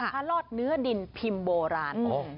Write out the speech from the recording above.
ลอดเนื้อดินพิมพ์โบราณ